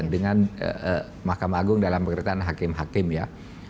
dengan mahkamah agung dalam perkara yang hakim hakim ya